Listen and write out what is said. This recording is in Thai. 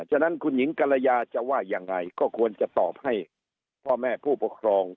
ฉะนั้นคุณหญิงกรยาจะว่ายังไงก็ควรจะตอบให้พ่อแม่ผู้ปกครอง